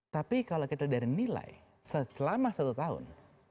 tapi kalau kita dari nilai selama satu tahun